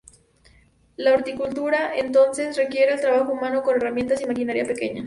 La horticultura entonces requiere el trabajo humano con herramientas y maquinaria pequeña.